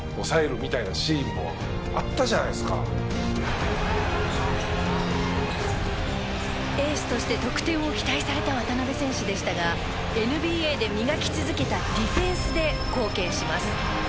ＮＢＡのスターエースとして得点を期待された渡邊選手でしたがＮＢＡで磨き続けたディフェンスで貢献します。